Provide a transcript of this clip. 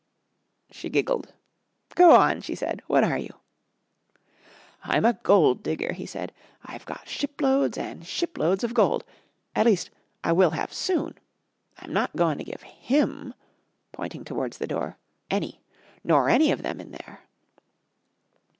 She giggled. "Go on!" she said. "What are you?" "I'm a gold digger," he said. "I've got ship loads an' ship loads of gold. At least, I will have soon. I'm not goin' to give him," pointing towards the door, "any, nor any of them in there."